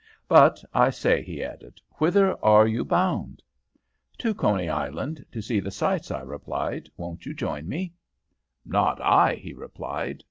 But, I say,' he added, 'whither are you bound?' "'To Coney Island to see the sights,' I replied. 'Won't you join me?' "'Not I,' he replied.